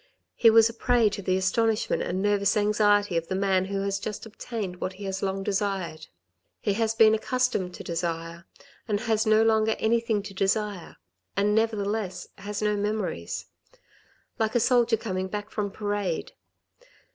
He was a prey to the astonishment and nervous anxiety of the man who has just obtained what he has long desired. He has been accustomed to desire, and has no longer anything to desire, and nevertheless has no memories. Like a soldier coming back from parade.